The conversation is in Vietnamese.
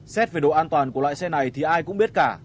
xét về độ an toàn của loại xe này thì ai cũng biết cả